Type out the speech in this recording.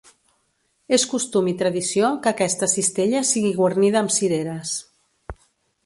És costum i tradició que aquesta cistella sigui guarnida amb cireres.